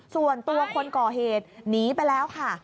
ส่วนตัวคนก่อเหตุหนีไปแล้วค่ะ